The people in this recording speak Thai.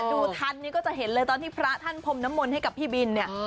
ดูทันนี่ก็จะเห็นเลยตอนที่พระท่านพรมน้ำมนต์ให้กับพี่บินเนี่ย